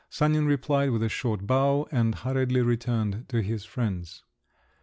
Sanin replied with a short bow, and hurriedly returned to his friends.